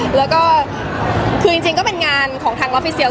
แล้วก็ก็เป็นงานของทางออฟฟิเซียล